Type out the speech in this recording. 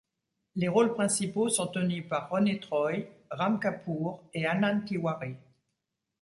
Les rôles principaux sont tenus par Ronit Roy, Ram Kapoor et Anand Tiwari.